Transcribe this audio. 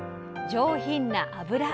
上品な脂。